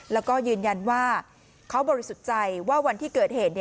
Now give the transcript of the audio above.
แล้วก็ยืนยันว่าเขาบริสุทธิ์ใจว่าวันที่เกิดเหตุ